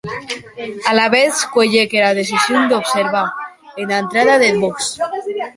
Alavetz cuelhec era decision d’observar ena entrada deth bòsc.